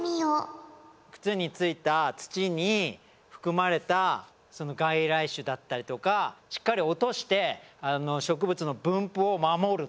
靴に付いた土に含まれた外来種だったりとかしっかり落として植物の分布を守るため。